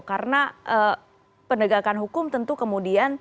karena penegakan hukum tentu kemudian